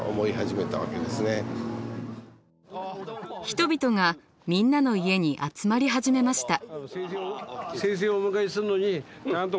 人々がみんなの家に集まり始めました。